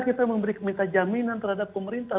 kita memberi minta jaminan terhadap pemerintah